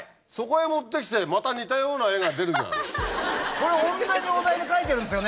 そこへもってきてまた似たような絵が出るじゃん。